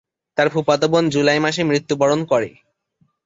তার ফুফাতো বোন জুলাই মাসে মৃত্যুবরণ করে।